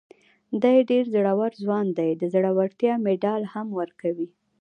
دی ډېر زړور ځوان دی، د زړورتیا مېډال هم ورکوي.